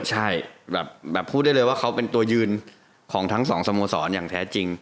ใช่แบบพูดได้เลยว่าเขาเป็นตัวยืนของทั้งสองสโมสรอย่างแท้จริง